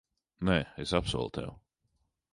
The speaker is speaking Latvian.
Nē, es apsolu tev.